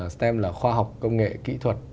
stem là khoa học công nghệ kỹ thuật